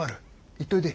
行っといで。